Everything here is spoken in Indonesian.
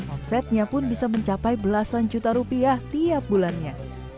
omsetnya pun bisa mencapai belasan juta rupiah tiap bulannya